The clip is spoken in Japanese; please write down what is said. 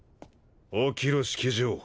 起きろ式尉。